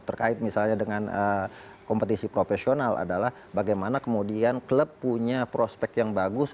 terkait misalnya dengan kompetisi profesional adalah bagaimana kemudian klub punya prospek yang bagus